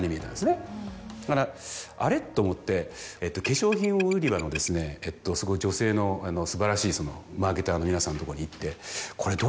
だからあれ？と思って化粧品売り場のそこの女性の素晴らしいマーケターの皆さんのとこに行って。